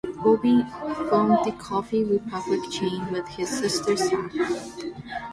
Bobby formed the Coffee Republic chain with his sister Sahar.